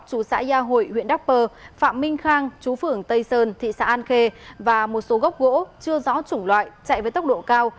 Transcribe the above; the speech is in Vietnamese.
chú xã gia hội huyện đắk pơ phạm minh khang chú phưởng tây sơn thị xã an khê và một số gốc gỗ chưa rõ chủng loại chạy với tốc độ cao